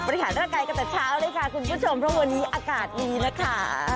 อุ้ยบริหารด้านไกลก็แต่เช้าเลยค่ะคุณผู้ชมเพราะวันนี้อากาศดีนะคะ